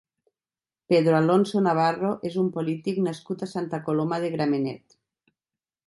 Pedro Alonso Navarro és un polític nascut a Santa Coloma de Gramenet.